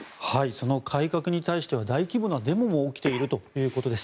その改革に対しては大規模なデモも起きているということです。